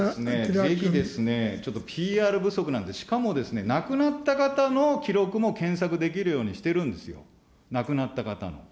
ぜひですね、ちょっとＰＲ不足なんで、しかもですね、亡くなった方の記録も検索できるようにしてるんです、亡くなった方の。